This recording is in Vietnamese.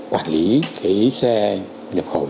quản lý cái xe nhập khẩu